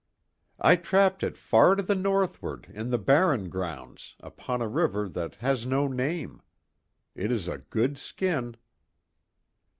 "I trapped it far to the northward, in the barren grounds, upon a river that has no name. It is a good skin."